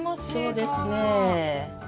そうですね。